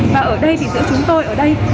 và ở đây thì giữa chúng tôi ở đây